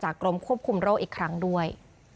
กรมควบคุมโรคอีกครั้งด้วย